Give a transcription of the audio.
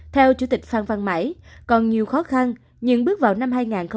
theo chủ tịch phan văn mãi còn nhiều khó khăn nhưng bước vào năm hai nghìn hai mươi hai